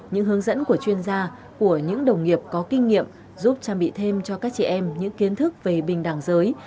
những hướng dẫn của chuyên gia của những đồng nghiệp có kinh nghiệm giúp trang bị thêm cho các chị em những kiến thức về bình đẳng giới